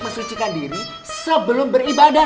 mesucikan diri sebelum beribadah